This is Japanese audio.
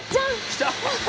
来た！